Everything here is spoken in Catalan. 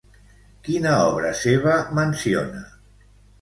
Quina obra seva menciona?